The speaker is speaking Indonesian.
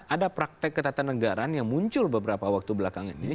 ada praktek ketatanegaraan yang muncul beberapa waktu belakang